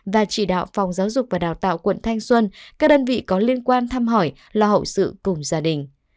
và chỉ đạo phòng giáo dục và đào tạo quận thanh xuân các đơn vị có liên quan thăm hỏi lo hậu sự cùng gia đình